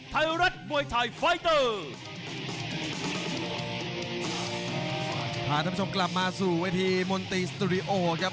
ท่านผู้ชมกลับมาสู่เวทีมนตรีสตูดิโอครับ